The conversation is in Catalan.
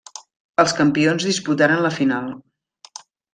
Els campions disputaren la final.